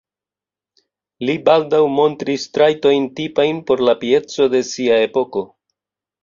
Li baldaŭ montris trajtojn tipajn por la pieco de sia epoko.